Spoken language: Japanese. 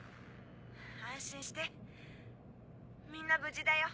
安心してみんな無事だよ。